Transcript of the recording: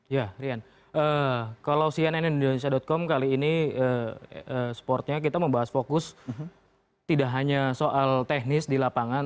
ya rian kalau cnnindonesia com kali ini supportnya kita membahas fokus tidak hanya soal teknis di lapangan